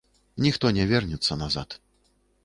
Ніхто не вернецца назад.